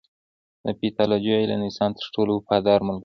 د پیتالوژي علم د انسان تر ټولو وفادار ملګری دی.